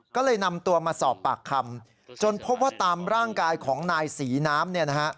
ก็เลยนำตัวมาสอบปากคำจนพบว่าตามร่างกายของนายศรีน้ำเนี่ยนะฮะ